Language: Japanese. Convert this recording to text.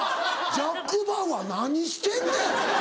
ジャック・バウアー何してんねん！